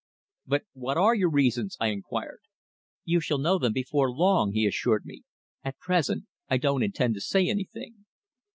"But what are your reasons?" I inquired. "You shall know them before long," he assured me. "At present I don't intend to say anything."